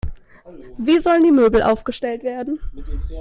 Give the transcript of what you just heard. Wie sollen die Möbel aufgestellt werden?